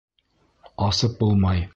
Асып булмай.